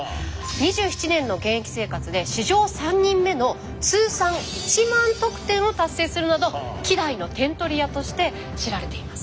２７年の現役生活で史上３人目のを達成するなど希代の点取り屋として知られています。